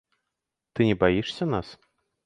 Ты не баішся нас?